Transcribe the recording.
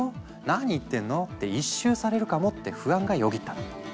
何言ってんの？」って一蹴されるかもって不安がよぎったの。